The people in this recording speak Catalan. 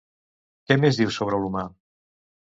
Què més diu sobre l'humà?